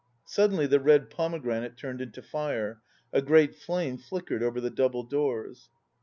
Suddenly the red pomegranate turned into fire; a great flame flickered over the double doors.